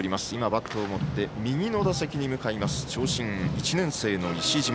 バットを持って右の打席に向かいます、長身１年生の石島。